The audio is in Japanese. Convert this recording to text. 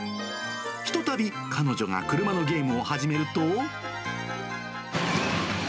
ひとたび彼女が車のゲームを始めると。